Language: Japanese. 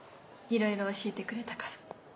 いろいろ教えてくれたから。